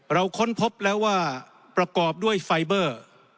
ค้นพบแล้วว่าประกอบด้วยไฟเบอร์